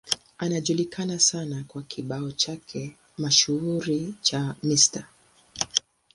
Anajulikana sana kwa kibao chake mashuhuri cha Mr.